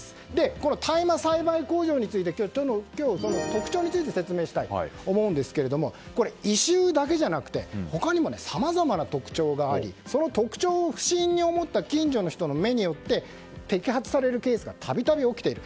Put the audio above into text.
その大麻栽培工場について今日、特徴について説明したいと思うんですけども異臭だけじゃなくて他にもさまざまな特徴がありその特徴を不審に思った近所の人の目によって摘発されるケースがたびたび起きている。